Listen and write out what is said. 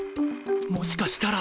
もしかしたら。